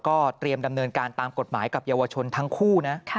ก็เตรียมดำเนินการตามกฎหมายกับเยาวชนทั้งคู่นะ